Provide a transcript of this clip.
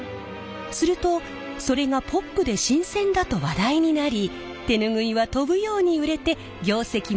するとそれがポップで新鮮だと話題になり手ぬぐいは飛ぶように売れて業績も右肩上がり！